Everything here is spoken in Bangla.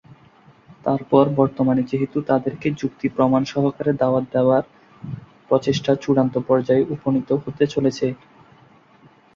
তারপর বর্তমানে যেহেতু তাদেরকে যুক্তি প্রমাণ সহকারে দাওয়াত দেবার প্রচেষ্টা চূড়ান্ত পর্যায়ে উপনীত হতে চলেছে।